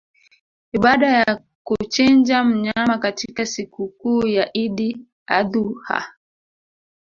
ibada ya kuchinja mnyama katika sikukuu ya Idi Adhu ha